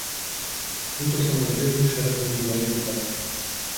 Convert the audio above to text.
Быў таксама разгледжаны шэраг індывідуальных выпадкаў.